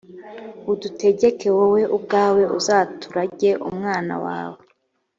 udutegeke wowe ubwawe uzaturage umwana wawe